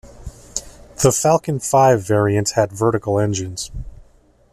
The Falcon Five variant had vertical engines.